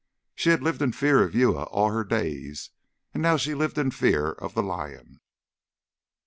She had lived in fear of Uya all her days, and now she lived in fear of the lion.